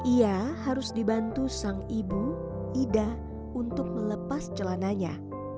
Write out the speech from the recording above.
ia harus dibantu sang ibu ida untuk melepas celananya